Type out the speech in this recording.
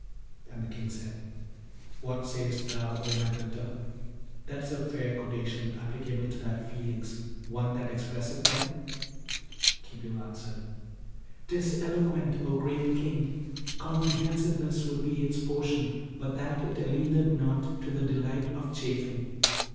And the King said, 'What sayest thou, O my builder? that is a fair quotation, applicable to thy feelings, one that expresseth them?' Khipil answered, ''Tis eloquent, O great King! comprehensiveness would be its portion, but that it alludeth not to the delight of chafing.'